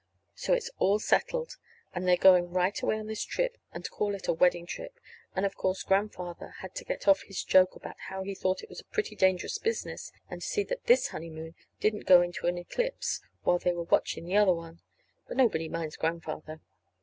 So it's all settled, and they're going right away on this trip and call it a wedding trip. And, of course, Grandfather had to get off his joke about how he thought it was a pretty dangerous business; and to see that this honeymoon didn't go into an eclipse while they were watching the other one. But nobody minds Grandfather.